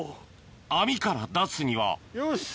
網から出すにはよし！